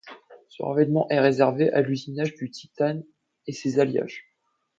Ce revêtement est réservé à l'usinage du titane et ses alliages.